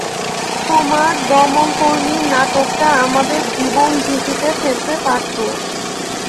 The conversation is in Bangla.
তোমার দমলকর্মীর নাটকটা আমাদের জীবন ঝুকিতে ফেলতে পারতো।